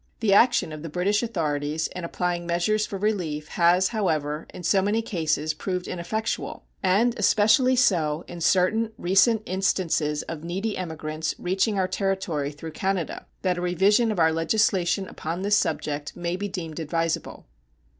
The action of the British authorities in applying measures for relief has, however, in so many cases proved ineffectual, and especially so in certain recent instances of needy emigrants reaching our territory through Canada, that a revision of our legislation upon this subject may be deemed advisable.